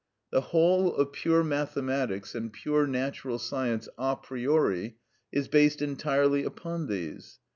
The whole of pure mathematics and pure natural science a priori is based entirely upon these.